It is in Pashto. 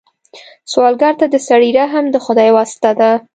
سوالګر ته د سړي رحم د خدای واسطه ده